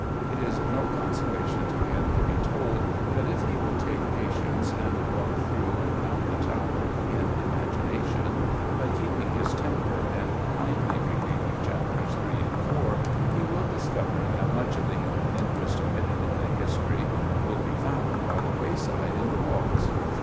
It is no consolation to him to be told that if he will take patience and walk through and round the Tower, in imagination, by keeping his temper and kindly reading Chapters III. and IV., he will discover that much of the human interest omitted in the "history" will be found by the wayside in the "walks."